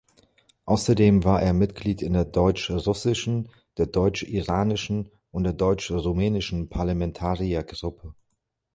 Außerdem war er Mitglied in der deutsch-russischen, der deutsch-iranischen und der deutsch-rumänischen Parlamentariergruppe.